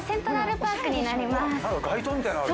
街灯みたいなのある。